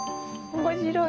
面白い！